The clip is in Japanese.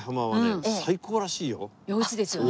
美味しいですよね。